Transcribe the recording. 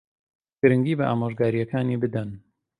گرنگی بە ئامۆژگارییەکانی بدەن.